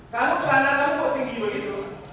kamu celana kamu kok tinggi begitu